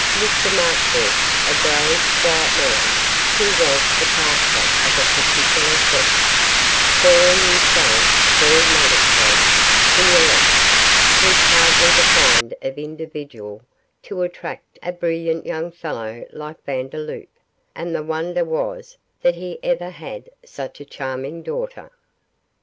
Mr Marchurst, a grave, quiet man, who was the pastor of a particular sect, calling themselves very modestly 'The Elect', was hardly the kind of individual to attract a brilliant young fellow like Vandeloup, and the wonder was that he ever had such a charming daughter.